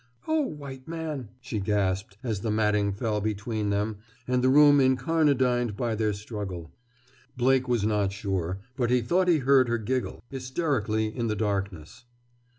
"Oh, white man!" she gasped, as the matting fell between them and the room incarnadined by their struggle. Blake was not sure, but he thought he heard her giggle, hysterically, in the darkness.